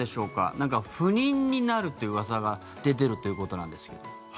なんか不妊になるといううわさが出てるということなんですけど。